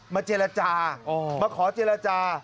เจรจามาขอเจรจา